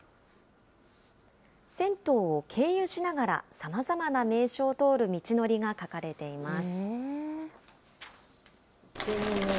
銭湯を経由しながらさまざまな名所を通る道のりが書かれています。